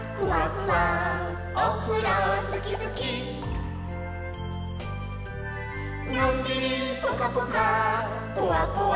「おふろすきすき」「のんびりぽかぽかぽわぽわーん」